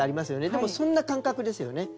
でもそんな感覚ですよね。